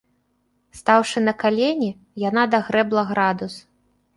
Стаўшы на калені, яна дагрэбла градус.